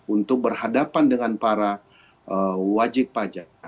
untuk berhadapan dengan para wajib pajak